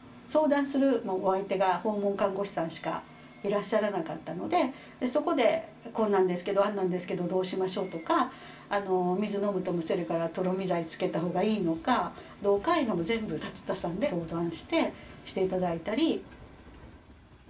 相談するお相手が訪問看護師さんしかいらっしゃらなかったのでそこで「こうなんですけどああなんですけどどうしましょう」とか水飲むとむせるからとろみ剤つけた方がいいのかどうかいうのも全部龍田さんに相談してして頂いたり。